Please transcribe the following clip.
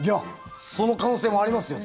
その可能性もありますよ